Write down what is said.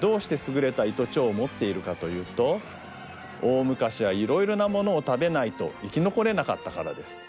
どうしてすぐれた胃と腸をもっているかというとおおむかしはいろいろなものを食べないと生きのこれなかったからです。